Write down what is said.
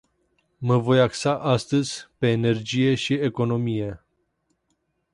Mă voi axa astăzi pe energie și economie.